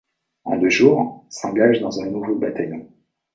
En deux jours, s'engagent dans un nouveau bataillon.